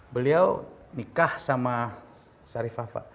beliau nikah sama sharifah